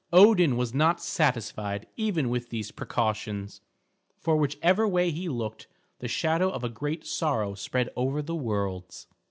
Odin was not satisfied even with these precautions, for whichever way he looked the shadow of a great sorrow spread over the worlds.